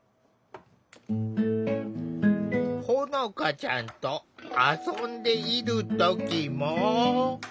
ほのかちゃんと遊んでいる時も。